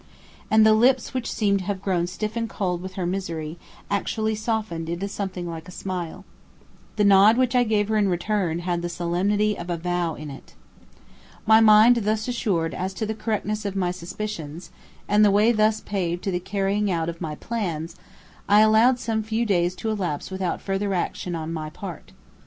And the lips which seemed to have grown stiff and cold with her misery, actually softened into something like a smile. The nod which I gave her in return had the solemnity of a vow in it. My mind thus assured as to the correctness of my suspicions, and the way thus paved to the carrying out of my plans, I allowed some few days to elapse without further action on my part.